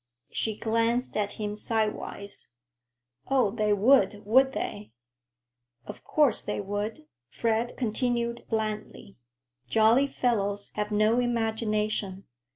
She glanced at him sidewise. "Oh, they would, would they?" "Of course they would," Fred continued blandly. "Jolly fellows have no imagination.